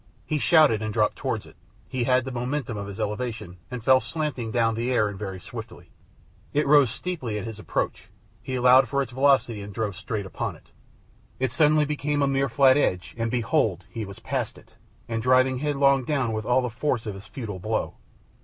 He shouted and dropped towards it. He had the momentum of his elevation and fell slanting down the air and very swiftly. It rose steeply at his approach. He allowed for its velocity and drove straight upon it. It suddenly became a mere flat edge, and behold! he was past it, and driving headlong down with all the force of his futile blow.